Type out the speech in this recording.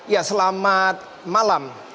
ya selamat malam